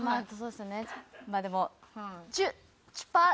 まあでも。